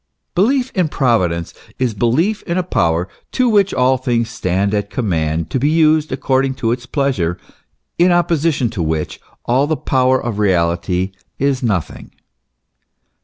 * Belief in Providence is belief in a power to which all things stand at command to be used according to its pleasure, in opposition to which all the power of reality is nothing.